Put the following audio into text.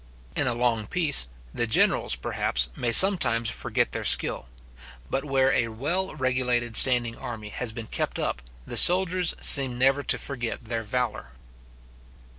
In a long peace, the generals, perhaps, may sometimes forget their skill; but where a well regulated standing army has been kept up, the soldiers seem never to forget their valour.